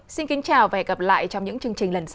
xin kính chào và hẹn gặp lại trong những chương trình lần sau